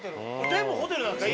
全部ホテルなんですか？